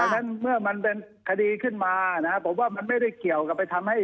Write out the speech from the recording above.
นั้นเมื่อมันเป็นคดีขึ้นมานะครับผมว่ามันไม่ได้เกี่ยวกับไปทำให้